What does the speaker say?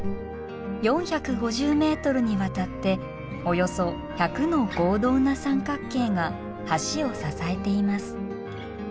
４５０ｍにわたっておよそ１００の合同な三角形が橋を支えています。